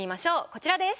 こちらです。